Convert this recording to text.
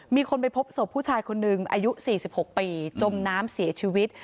มีคนไปพบศพผู้ชายคนหนึ่งอายุ๔๖ปีจมน้ำเสียชีวิต